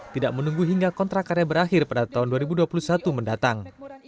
tidak menunggu hingga kontrak karya berakhir pada tahun dua ribu dua puluh satu mendatang